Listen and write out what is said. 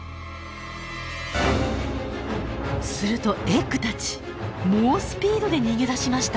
するとエッグたち猛スピードで逃げ出しました。